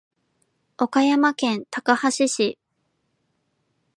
岡山県高梁市